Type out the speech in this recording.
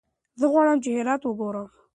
زه غواړم چې هرات وګورم.